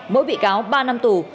mỗi bị cáo ba năm tù